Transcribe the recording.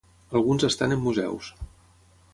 Alguns estan en museus.